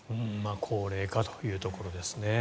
高齢化というところですね。